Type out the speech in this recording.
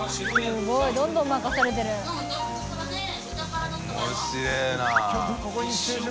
すごいどんどん任されてる滅鬚い福